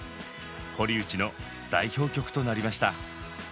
堀内の代表曲となりました。